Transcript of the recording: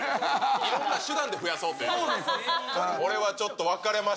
いろんな手段で増やそうと。